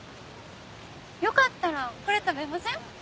よかったらこれ食べません？